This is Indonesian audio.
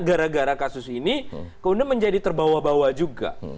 gara gara kasus ini kemudian menjadi terbawa bawa juga